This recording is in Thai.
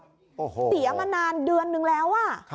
เสียมานานเดือนนึงแล้วอะ